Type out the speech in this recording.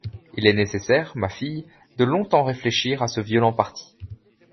Il est nécessaire, ma fille, de longtemps réfléchir à ce violent parti.